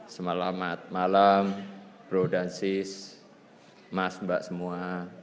selamat malam bro dan sis mas mbak semua